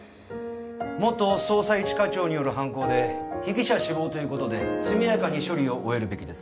元捜査一課長による犯行で被疑者死亡ということですみやかに処理を終えるべきです